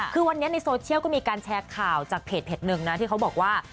คือวันนี้ในโซเชียลก็มีการแชร์ข่าวจากเพจหนึ่งนะที่เขาบอกว่า